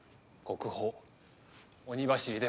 国宝！